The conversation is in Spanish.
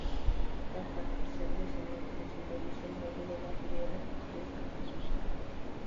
La partición de sinople simboliza el valle de la riera de Santa Susana.